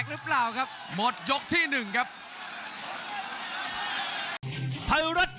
ขวางเอาไว้ครับโอ้ยเด้งเตียวคืนครับฝันด้วยศอกซ้าย